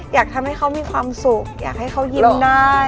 อยากให้เขามีความสุขอยากให้เขายิ้มได้